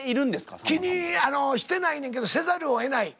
気にしてないねんけどせざるをえない。